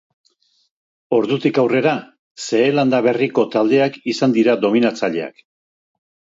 Ordutik aurrera Zeelanda Berriko taldeak izan dira dominatzaileak.